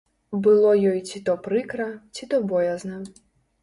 Было ёй ці то прыкра, ці то боязна.